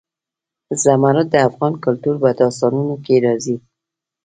زمرد د افغان کلتور په داستانونو کې راځي.